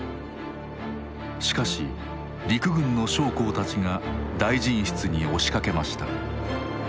しかし陸軍の将校たちが大臣室に押しかけました。